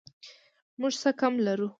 موږ څه کم لرو؟